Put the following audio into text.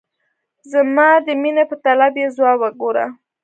زما د میني په طلب یې ځواب ګوره !